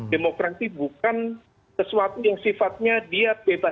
demokrasi bukan sesuatu yang sifatnya dia bebas